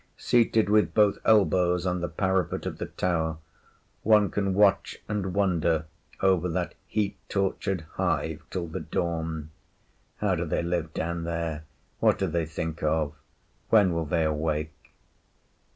Seated with both elbows on the parapet of the tower, one can watch and wonder over that heat tortured hive till the dawn. ‘How do they live down there? What do they think of? When will they awake?